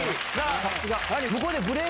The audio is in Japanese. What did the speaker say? さすが。